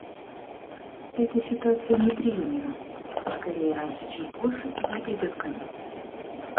Эта ситуация неприемлема и, скорее раньше, чем позже, ей придет конец.